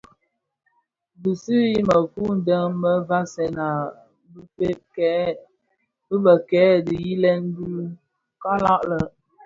Bisu u mekuu deň më vasèn a bëfeeg bë kè dhiyilèn bè kalag lè,